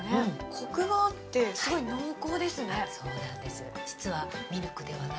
コクがあってすごい濃厚ですね。